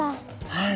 はい。